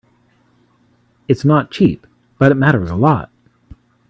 It's not cheap, but it matters a lot.